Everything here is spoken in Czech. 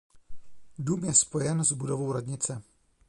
Dům je spojen s budovou radnice.